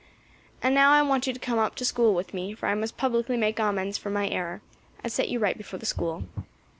And now I want you to come up School with me, for I must publicly make amends for my error, and set you right before the School."